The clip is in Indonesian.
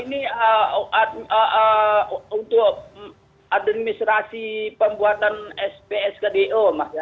ini untuk administrasi pembuatan spsk do